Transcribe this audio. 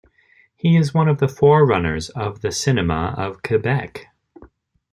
He is one of the forerunners of the Cinema of Quebec.